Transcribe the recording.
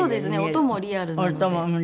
音もリアルなので。